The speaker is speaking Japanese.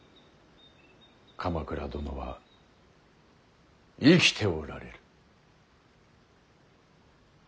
鎌倉殿は生きておられる。